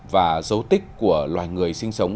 và dấu tích của loài người sinh sống